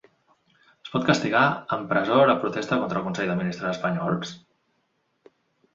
Es pot castigar amb presó la protesta contra el consell de ministres espanyols?